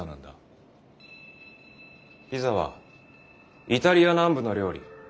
ピザはイタリア南部の料理